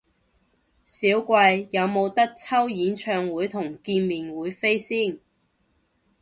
少貴，有無得抽演唱會同見面會飛先？